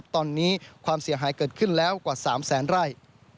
ตอนนี้ความเสียหายเกิดขึ้นแล้วกว่า๓แสนไร่